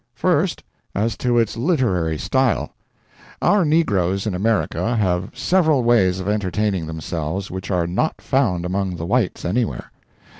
First, as to its literary style. Our negroes in America have several ways of entertaining themselves which are not found among the whites anywhere.